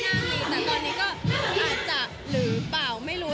ยังมีแต่ตอนนี้ก็อาจจะหรือเปล่าไม่รู้